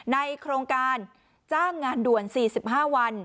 ในโครงการจ้างงานด่วน๔๕วัน